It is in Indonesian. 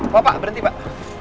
pak berhenti pak